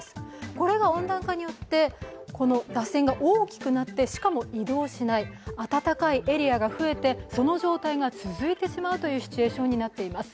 これが温暖化によって、らせんが大きくなって、しかも移動しない暖かいエリアが増えて、その状態が続いてしまうというシチュエーションが続いています。